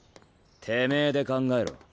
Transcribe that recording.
てめぇで考えろ。